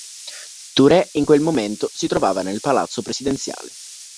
Touré in quel momento si trovava nel palazzo presidenziale.